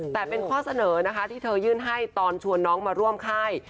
แต่เป็นข้อเสนอนะคะที่เธอยื่นให้ตอนชวนน้องมาร่วมค่าย